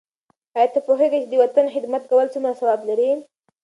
آیا ته پوهېږې چې د وطن خدمت کول څومره ثواب لري؟